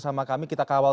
jadi saya rasa ini adalah